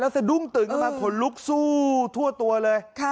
แล้วเสร็จดุ้มตื่นกันมาผลลุกสู้ทั่วตัวเลย